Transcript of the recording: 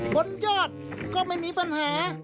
บนยอดก็ไม่มีปัญหา